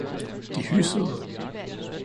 De hyssede.